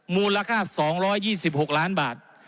มูลค่า๒๒๖ล้านบาท